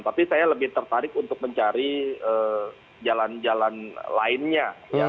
tapi saya lebih tertarik untuk mencari jalan jalan lainnya